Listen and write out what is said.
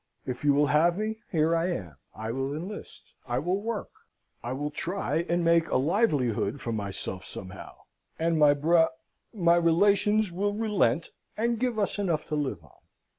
If you will have me, here I am: I will enlist: I will work: I will try and make a livelihood for myself somehow, and my bro my relations will relent, and give us enough to live on.'